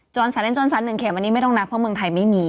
จนสั้น๑เข็มอันนี้ไม่ต้องนับเพราะเมืองไทยไม่มี